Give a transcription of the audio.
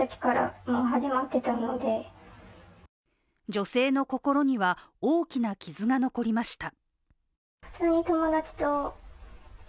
女性の心には大きな傷が残りました。